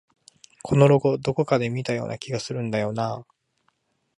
このロゴ、どこかで見たような気がするんだよなあ